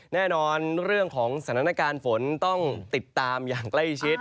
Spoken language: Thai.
แน่นอนเรื่องของสถานการณ์ฝนต้องติดตามอย่างใกล้ชิด